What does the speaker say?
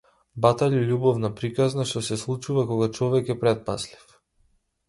Батали љубовна приказна што се случува кога човек е претпазлив.